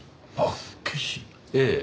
ええ。